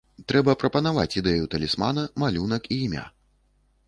Трэба прапанаваць ідэю талісмана, малюнак і імя.